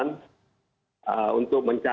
untuk mencari jalan atau jalan yang lebih jauh